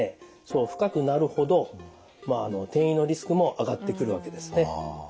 その深くなるほど転移のリスクも上がってくるわけですね。